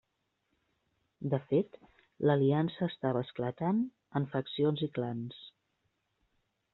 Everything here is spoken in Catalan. De fet l'Aliança estava esclatant en faccions i clans.